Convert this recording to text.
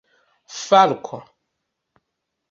falko